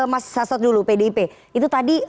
mas sasot dulu pdip itu tadi